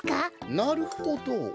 なるほど。